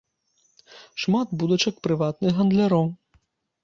Шмат будачак прыватных гандляроў.